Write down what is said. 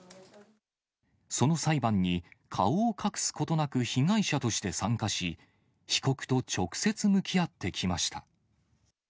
その裁判に顔を隠すことなく、被害者として参加し、被告と直接向き合ってきました。